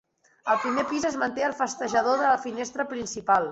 Al primer pis es manté el festejador de la finestra principal.